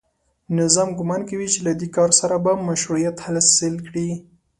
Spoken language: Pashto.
نظام ګومان کوي چې له دې کار سره به مشروعیت حاصل کړي